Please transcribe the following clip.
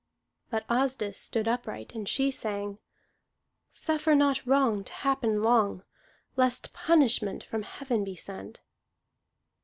But Asdis stood upright, and she sang: "Suffer not wrong To happen long, Lest punishment From heaven be sent."